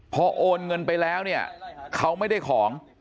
พอโอนเงินไปแล้วเนี่ยเขาไม่ได้ของ